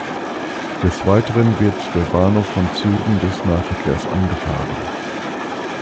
Des Weiteren wird der Bahnhof von Zügen des Nahverkehrs angefahren.